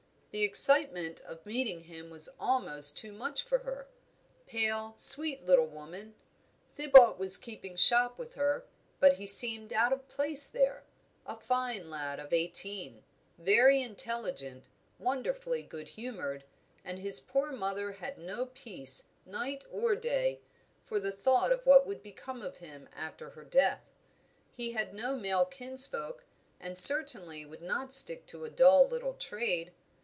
The excitement of meeting him was almost too much for her pale, sweet little woman. Thibaut was keeping shop with her, but he seemed out of place there; a fine lad of eighteen; very intelligent, wonderfully good humoured, and his poor mother had no peace, night or day, for the thought of what would become of him after her death; he had no male kinsfolk, and certainly would not stick to a dull little trade.